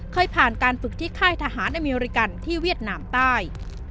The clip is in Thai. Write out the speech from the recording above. เคยผ่านการฝึกที่ค่ายทหารอเมริกันที่เวียดนามใต้